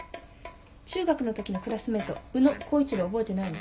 中学のときのクラスメート宇野光一郎を覚えてないの？